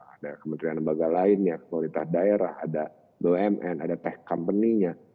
ada kementerian lembaga lainnya pemerintah daerah ada bumn ada tech company nya